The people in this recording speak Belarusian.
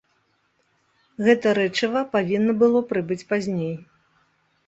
Гэта рэчыва павінна было прыбыць пазней.